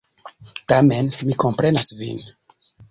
Tamen mi komprenas Vin!